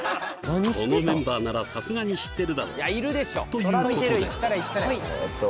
このメンバーならさすがに知ってるだろうということでえっと